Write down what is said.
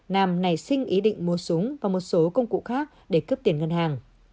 nam này xinh ý định mua súng và một số công cụ khác để cướp tiền ngân hàng